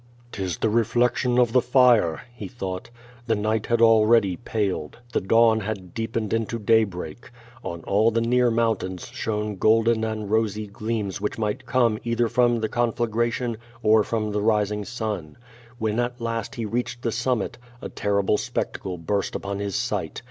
" 'Tis the reflection of the flre," he thought. The night had already paled. The dawn had deepened into daybreak. On all the near mountains shone golden and rosy gleams which might come either from the conflagration or from the rising sun. When at last he reached the summit, a terrible spectacle burst upon his sight.